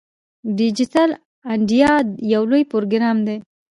ډیجیټل انډیا یو لوی پروګرام دی.